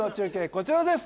こちらです